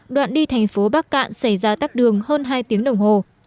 đoạn đi thành phố bắc cạn xảy ra tắt đường hơn hai tiếng đồng hồ